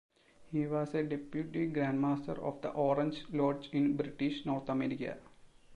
He was a deputy grandmaster of the Orange Lodge in British North America.